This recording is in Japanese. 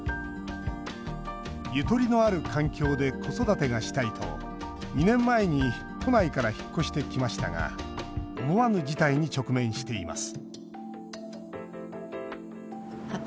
ゆとりのある環境で子育てがしたいと、２年前に都内から引っ越してきましたが思わぬ事態に直面しています